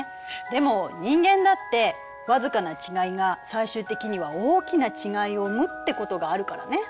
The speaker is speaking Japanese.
でも人間だってわずかな違いが最終的には大きな違いを生むってことがあるからね。